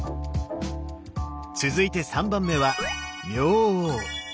続いて３番目は「明王」。